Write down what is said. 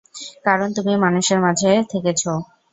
কারণ তুমি মানুষের মাঝে থেকেছ।